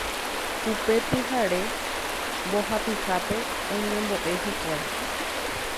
Upe pyhare mbohapyhápe oñembo'e hikuái.